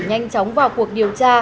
nhanh chóng vào cuộc điều tra